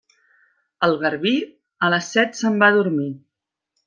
El garbí, a les set se'n va a dormir.